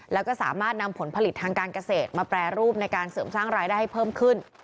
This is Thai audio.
แล้วก็สามารถนำผลผลิตทางการเกษตรมาแปรรูปในการเสริมสร้างรายได้ให้เพิ่มขึ้น